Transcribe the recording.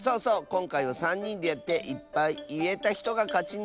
こんかいはさんにんでやっていっぱいいえたひとがかちにしよう。